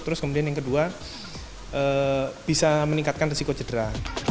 terus kemudian yang kedua bisa meningkatkan resiko cedera